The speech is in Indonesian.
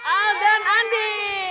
al dan andi